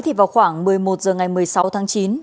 thì vào khoảng một mươi một h ngày một mươi sáu tháng chín